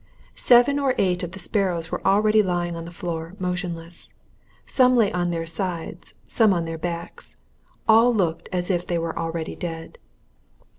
Seven or eight of the sparrows were already lying on the floor motionless. Some lay on their sides, some on their backs; all looked as if they were already dead.